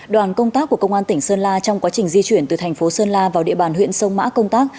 đoàn công tác của công an tỉnh sơn la trong quá trình di chuyển từ thành phố sơn la vào địa bàn huyện sông mã công tác